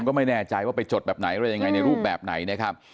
ก็ไม่แน่ใจว่าไปจดแบบไหนอะไรยังไงในรูปแบบไหนนะครับ